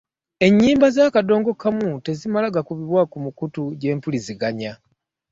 ennyimba za kadongo kamu tezimala gakubibwa ku mukutu gy'empuliziganya.